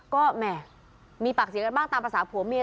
ก็แหม่มีปากเสียงกันบ้างตามภาษาผัวเมีย